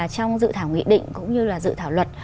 trong dự thảo nghị định cũng như là dự thảo luật